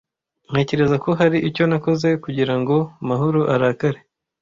Ntekereza ko hari icyo nakoze kugirango Mahoro arakare.